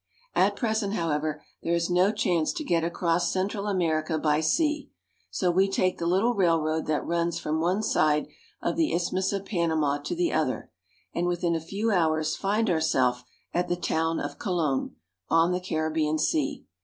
At present, however, there is no chance to get across Central America by sea ; so we take the little railroad that runs from one side of the Isthmus of Panama to the other, and within a few hours find ourselves at the town of Colon, on the Caribbean Sea.